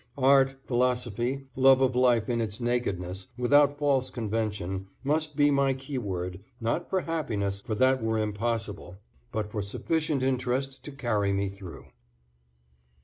Art, philosophy, love of life in its nakedness, without false convention, must be my keyword, not for happiness, for that were impossible, but for sufficient interest to carry me through.